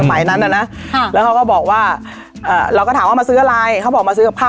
สมัยนั้นน่ะนะค่ะแล้วเขาก็บอกว่าเราก็ถามว่ามาซื้ออะไรเขาบอกมาซื้อกับข้าว